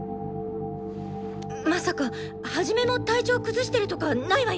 まさかハジメも体調崩してるとかないわよね？